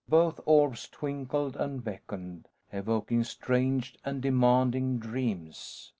Both orbs twinkled and beckoned, evoking strange and demanding dreams!